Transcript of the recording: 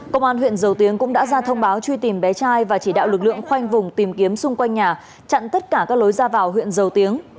công an huyện dầu tiếng cũng đã ra thông báo truy tìm bé trai và chỉ đạo lực lượng khoanh vùng tìm kiếm xung quanh nhà chặn tất cả các lối ra vào huyện dầu tiếng